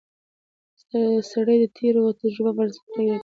سړی د تېرو تجربو پر بنسټ پریکړه کوي